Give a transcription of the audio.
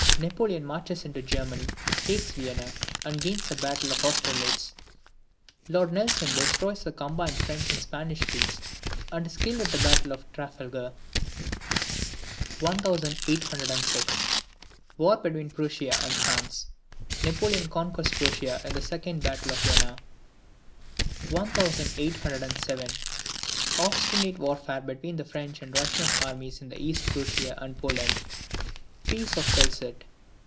Napoleon marches into Germany, takes Vienna, and gains the battle of Austerlitz. Lord Nelson destroys the combined French and Spanish fleets, and is killed at the battle of Trafalgar. 1806. War between Prussia and France, Napoleon conquers Prussia in the battle of Jena. 1807. Obstinate warfare between the French and Russian armies in East Prussia and Poland. Peace of Tilsit.